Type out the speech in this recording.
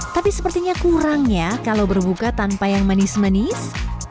tapi sepertinya kurang ya kalau berbuka tanpa yang manis manis